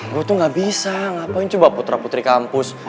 gua tuh nggak bisa ngapain coba putra putri kampus